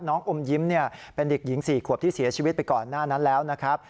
อมยิ้มเป็นเด็กหญิง๔ขวบที่เสียชีวิตไปก่อนหน้านั้นแล้วนะครับ